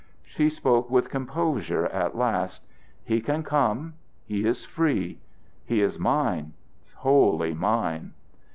She spoke with composure at last: "He can come. He is free. He is mine wholly mine."